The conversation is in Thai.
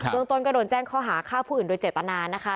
ดวงต้นก็โดนแจ้งเขาหาข้าวผู้อื่นโดยเจตนานะคะ